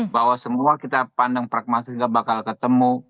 bahwa semua kita pandang pragmatis gak bakal ketemu